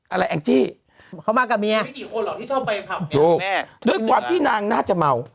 อะไรแองจี้เข้ามากับเมียโดยความที่นางน่าจะเมา